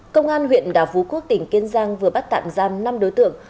công an huyện đảo phú quốc tỉnh kiên giang vừa bắt tạm giam năm đối tượng